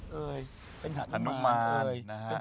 รหนุมาร